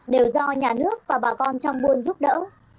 đều do nhà nước và bà con trong buôn giúp đỡ